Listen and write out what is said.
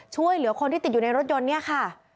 ช่วยเหลือคนที่ติดอยู่ในรถยนต์เนี่ยค่ะ